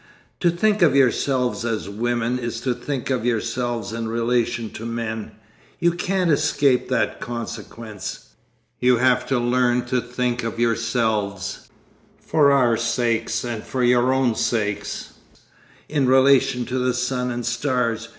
To think of yourselves as women is to think of yourselves in relation to men. You can't escape that consequence. You have to learn to think of yourselves—for our sakes and your own sakes—in relation to the sun and stars.